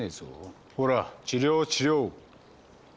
ほら治療治療。